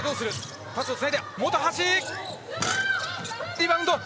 リバウンド。